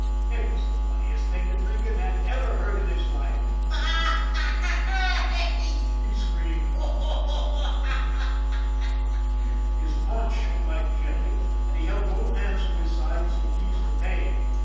It was the funniest thing that Regan had ever heard in his life. "Haw, haw!" he screamed. "Ho, ho! Haw, haw !" His paunch shook like jelly, and he held both hands to his sides to ease the pain.